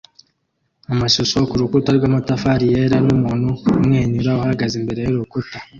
Amashusho kurukuta rwamatafari yera numuntu umwenyura uhagaze imbere yurukuta